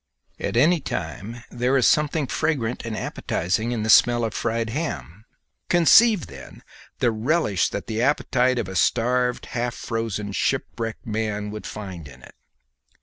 At any time there is something fragrant and appetizing in the smell of fried ham; conceive then the relish that the appetite of a starved, half frozen, shipwrecked man would find in it!